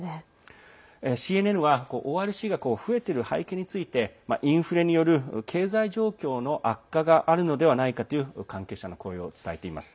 ＣＮＮはＯＲＣが増えている背景についてインフレによる経済状況の悪化があるのではないかという関係者の声を伝えています。